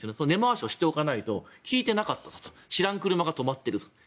根回しをしておかないと聞いてなかったとか知らん車が止まってるぞ。